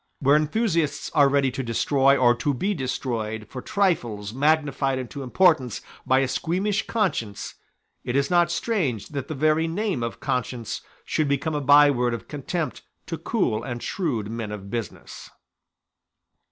Where enthusiasts are ready to destroy or to be destroyed for trifles magnified into importance by a squeamish conscience, it is not strange that the very name of conscience should become a byword of contempt to cool and shrewd men of business.